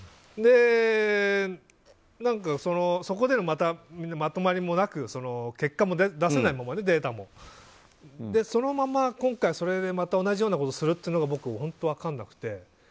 で、そこでまたまとまりもなくデータの結果も出せないままでそのまま今回、それで同じようなことをするというのが分からなくて。